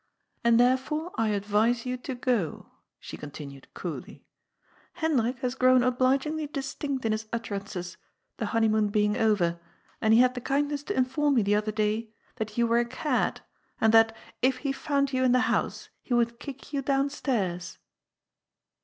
"And therefore I advise you to go," she continued coolly. "Hendrik has grown obligingly distinct in his utterances, the honeymoon being over, and he had the kindness to inform me the other day that you were a cad, and that, if he found you in the house, he would kick you downstairs."